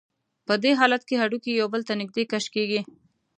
په دې حالت کې هډوکي یو بل ته نږدې کش کېږي.